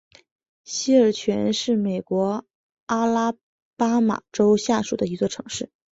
西尔泉是美国阿拉巴马州下属的一座城市。